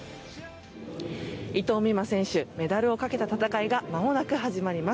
伊藤美誠選手メダルをかけた戦いが間もなく始まります。